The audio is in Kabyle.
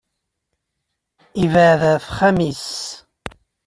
Yebɛed ɣef uxxam-is.